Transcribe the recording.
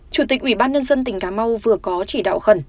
chủ tịch ubnd tỉnh cà mau vừa có chỉ đạo khẩn